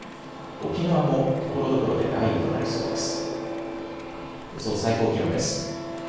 沖縄もところどころで雷雨となりそうです。